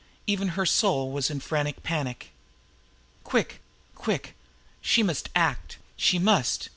Even her soul was in frantic panic. Quick! Quick! She must act! She must!